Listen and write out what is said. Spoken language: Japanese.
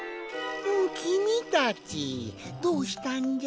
きみたちどうしたんじゃ？